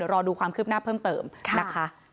รอดูความคืบหน้าเพิ่มเติมนะคะ